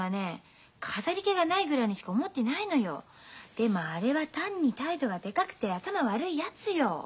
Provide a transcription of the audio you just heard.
でもあれは単に態度がでかくて頭悪いやつよ。